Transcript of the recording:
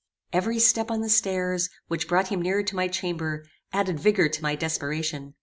Every step on the stairs, which brought him nearer to my chamber, added vigor to my desperation.